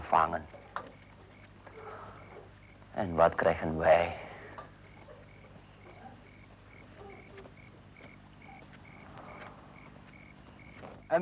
dan apa yang kita dapat